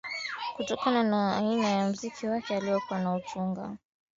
Kutokana na aina ya mziki wake aliokuwa anautunga